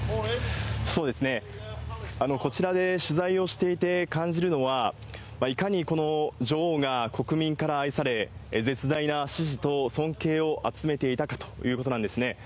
こちらで取材をしていて感じるのは、いかにこの女王が国民から愛され、絶大な支持と尊敬を集めていたかということなんですね。